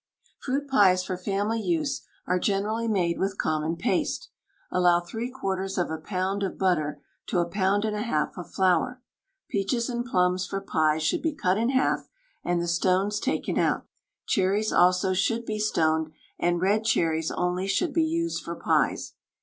Fruit pies for family use are generally made with common paste. Allow three quarters of a pound of butter to a pound and a half of flour. Peaches and plums for pies should be cut in half, and the stones taken out. Cherries also should be stoned, and red cherries only should be used for pies.